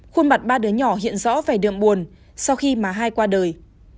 khuôn mặt ba đứa nhỏ hiện rõ về đường buồn sau khi mà hai qua đời